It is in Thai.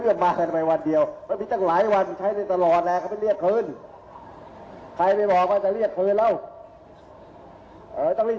เอ่อตั้งแต่ใช้ให้หมดอะไรยังไง